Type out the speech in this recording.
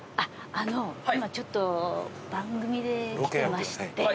今ちょっと番組で来てまして。